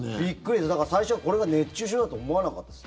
だから、最初これが熱中症だと思わなかったです。